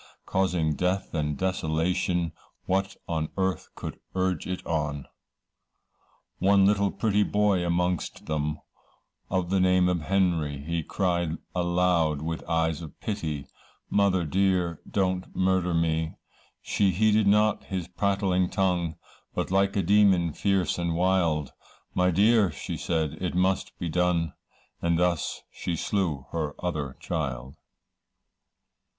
Causing death and desolation, What on earth could urge it on? One little pretty boy amongst them, Of the name of Henry, He cried aloud with eyes of pity, 'Mother, dear, don't murder me,' She heeded not his prattling tongue, But like a demon fierce and wild, 'My dear,' said she, 'it must be done,' And thus she slew her other child.